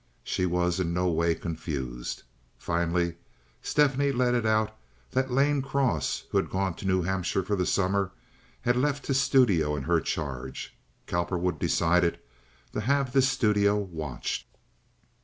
She was in no way confused. Finally Stephanie let it out that Lane Cross, who had gone to New Hampshire for the summer, had left his studio in her charge. Cowperwood decided to have this studio watched.